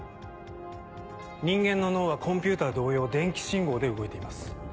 人間の脳はコンピューター同様電気信号で動いています。